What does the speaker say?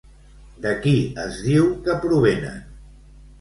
De qui es diu que provenen?